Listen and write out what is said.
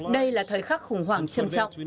đây là thời khắc khủng hoảng trầm trọng